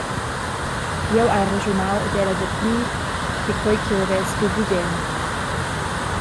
Jeu hai raschunau ad ella dapli che quei che jeu havess giu bugen.